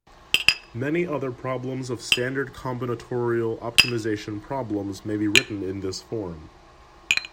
Many other problems of standard combinatorial optimization problems may be written in this form.